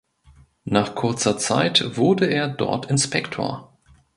Nach kurzer Zeit wurde er dort Inspektor.